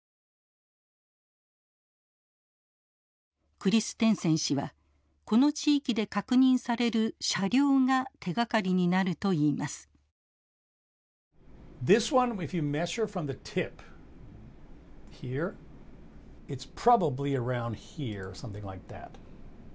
クリステンセン氏はこの地域で確認される車両が手がかりになるといいます。